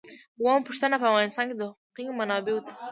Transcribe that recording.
اوومه پوښتنه په افغانستان کې د حقوقي منابعو ده.